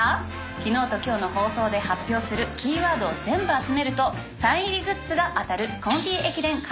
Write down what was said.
昨日と今日の放送で発表するキーワードを全部集めるとサイン入りグッズが当たる。